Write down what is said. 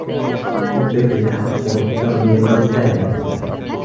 للطفل الحق في التربية و التعليم.